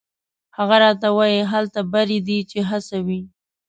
هغه راته وایي: «هلته بری دی چې هڅه وي».